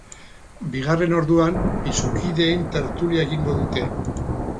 Bigarren orduan, pisukideen tertulia egingo dute.